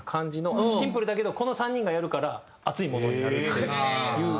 シンプルだけどこの３人がやるから熱いものになるっていう。